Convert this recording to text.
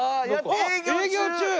営業中！